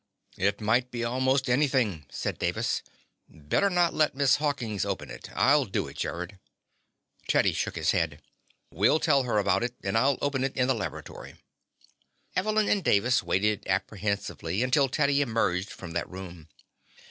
_" "It might be almost anything," said Davis. "Better not let Miss Hawkins open it. I'll do it, Gerrod." Teddy shook his head. "We'll tell her about it, and I'll open it in the laboratory." Evelyn and Davis waited apprehensively until Teddy emerged from that room.